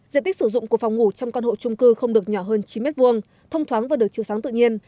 diện tích sử dụng của phòng ngủ trong căn hộ trung cư không được nhỏ hơn chín m hai thông thoáng và được chiều sáng tự nhiên